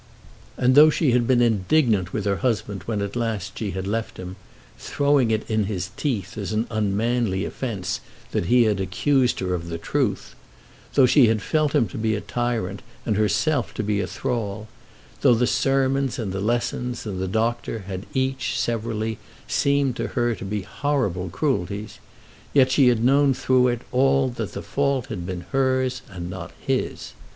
And though she had been indignant with her husband when at last she had left him, throwing it in his teeth as an unmanly offence that he had accused her of the truth; though she had felt him to be a tyrant and herself to be a thrall; though the sermons, and the lessons, and the doctor had each, severally, seemed to her to be horrible cruelties; yet she had known through it all that the fault had been hers, and not his.